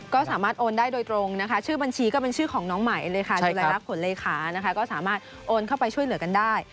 ก็สามารถโอนได้โดยตรงนะคะชื่อบัญชีก็เป็นชื่อของน้องใหม่เลยค่ะจุลรักผลเลขานะคะก็สามารถโอนเข้าไปช่วยเหลือกันได้